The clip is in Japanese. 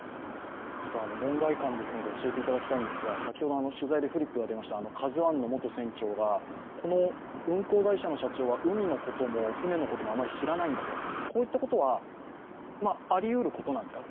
門外漢ですので教えていただきたいのですが先ほど取材でフリップが出ました「ＫＡＺＵⅠ」の元船長が、運航会社の社長は海のことも船のこともあまり知らないんだと、こういったことはありうることなんですか？